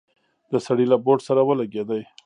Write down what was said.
د سړي له بوټ سره ولګېده.